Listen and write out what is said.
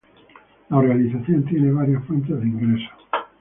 La organización tiene varias fuentes de ingresos.